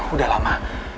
udah lah ma